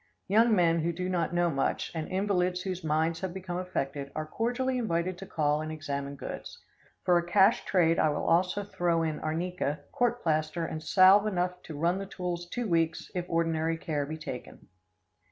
Young men who do not know much, and invalids whose minds have become affected, are cordially invited to call and examine goods. For a cash trade I will also throw in arnica, court plaster and salve enough to run the tools two weeks, if ordinary care be taken.